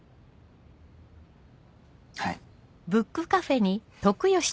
はい。